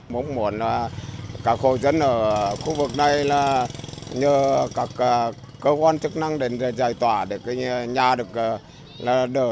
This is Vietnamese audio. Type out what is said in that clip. muốn muốn là các khu dân ở khu vực này là nhờ các cơ quan chức năng để giải tỏa để cái nhà được đỡ